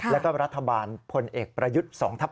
แล้วก็รัฐบาลพลเอกประยุทธ์๒ทับ๑